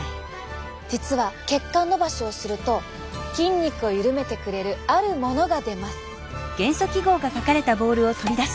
実は血管のばしをすると筋肉を緩めてくれるあるものが出ます。